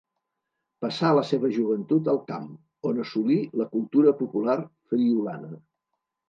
Passà la seva joventut al camp, on assolí la cultura popular friülana.